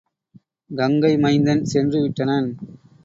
கங்கை மைந்தன் சென்று விட்டனன்.